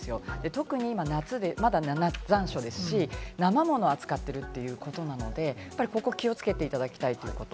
特に今、まだ残暑ですし、生ものを扱っているということなので、やっぱり今後気をつけていただきたいということ。